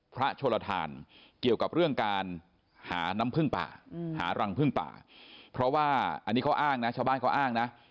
โชลทานเกี่ยวกับเรื่องการหาน้ำพึ่งป่าหารังพึ่งป่าเพราะว่าอันนี้เขาอ้างนะชาวบ้านเขาอ้างนะ